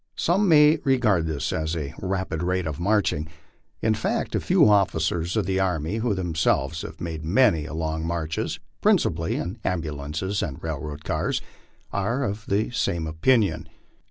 Some may regard this as a rapid rate of marching ; in fact, a few officers of the army who themselves have made many and long marches (principally in ambulances and railroad cars) are of the same opinion.